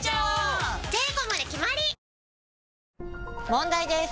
問題です！